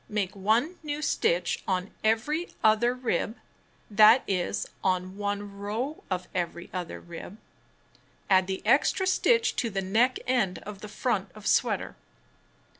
Make 1 new stitch on every other rib (that is, on one row of every other rib). Add the extra stitch to the neck end of front of sweater.